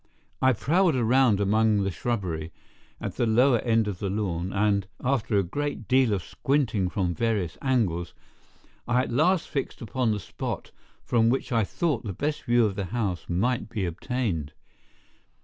I prowled around among the shrubbery at the lower end of the lawn and, after a great deal of squinting from various angles, I at last fixed upon the spot from which I thought the best view of the house might be obtained.